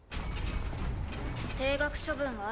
停学処分は？